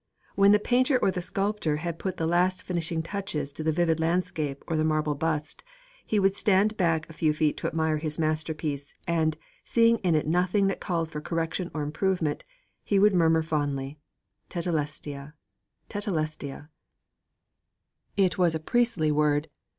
When the painter or the sculptor had put the last finishing touches to the vivid landscape or the marble bust, he would stand back a few feet to admire his masterpiece, and, seeing in it nothing that called for correction or improvement, would murmur fondly, 'Tetelestai! tetelestai!' It was a priestly word.